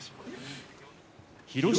広島